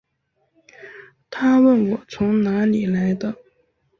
她问我从哪里来的